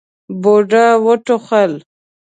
بوډا وټوخل.